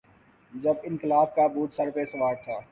جب انقلاب کا بھوت سر پہ سوار تھا۔